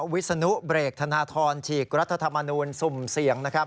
วิศนุเบรกธนาทรฉีกรัฐธรรมนุนสุ่มเสียง